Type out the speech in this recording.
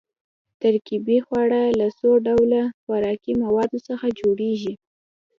ترکیبي خواړه له څو ډوله خوراکي موادو څخه جوړیږي.